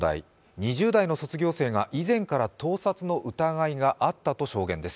２０代の卒業生が、以前から盗撮の疑いがあったと証言です。